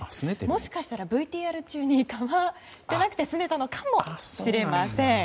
もしかしたらＶＴＲ中に構っていなくてすねたのかもしれません。